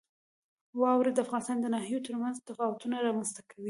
واوره د افغانستان د ناحیو ترمنځ تفاوتونه رامنځته کوي.